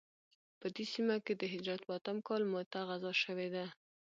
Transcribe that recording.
په دې سیمه کې د هجرت په اتم کال موته غزا شوې ده.